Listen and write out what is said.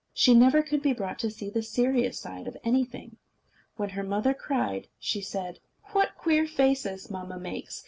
She never could be brought to see the serious side of anything. When her mother cried, she said: "What queer faces mamma makes!